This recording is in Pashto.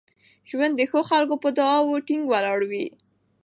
ژوند د ښو خلکو په دعاوو ټینګ ولاړ وي.